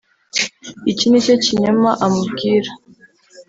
iki nicyo kinyoma amubwira